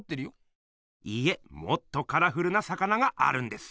いいえもっとカラフルな魚があるんです。